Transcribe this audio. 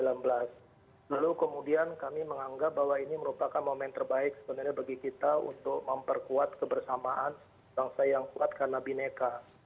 lalu kemudian kami menganggap bahwa ini merupakan momen terbaik sebenarnya bagi kita untuk memperkuat kebersamaan bangsa yang kuat karena bineka